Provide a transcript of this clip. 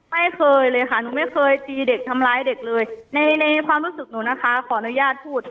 ไม่เคยเลยค่ะหนูไม่เคยตีเด็กทำร้ายเด็กเลยในในความรู้สึกหนูนะคะขออนุญาตพูด